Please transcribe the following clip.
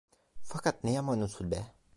Fakat ne yaman usul be…